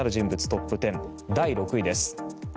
トップ１０第６位です。